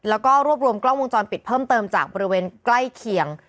แล้วก็รวบรวมกล้องวงจรปิดเพิ่มเติมจากบริเวณใกล้เคียง